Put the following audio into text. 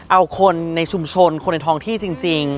เอาคนในชุมชนคนในทองที่จริง